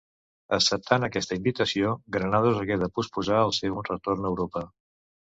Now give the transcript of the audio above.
Acceptant aquesta invitació, Granados hagué de posposar el seu retorn a Europa.